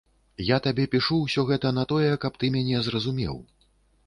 Я табе пішу ўсё гэта на тое, каб ты мяне зразумеў.